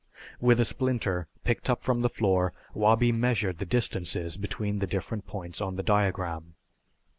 With a splinter picked up from the floor Wabi measured the distances between the different points on the diagram.